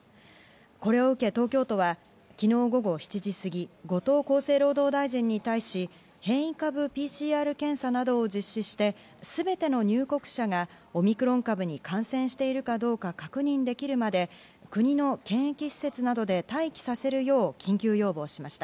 これを受け東京都は昨日午後７時過ぎ、後藤厚生労働大臣に対し、変異株ＰＣＲ検査などを実施して、すべての入国者がオミクロン株に感染しているかどうか確認できるまで国の検疫施設などで待機させるよう緊急要望しました。